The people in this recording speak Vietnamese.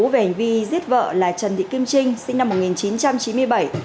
về hành vi giết vợ là trần thị kim trinh sinh năm một nghìn chín trăm chín mươi bảy